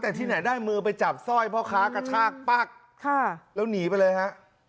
แต่ที่ไหนได้มือไปจับสร้อยพ่อค้ากระชากปั๊กแล้วหนีไปเลยฮะ